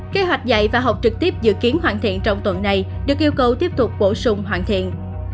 kế hoạch dạy và học trực tiếp dự kiến hoàn thiện trong tuần này được yêu cầu tiếp tục bổ sung hoàn thiện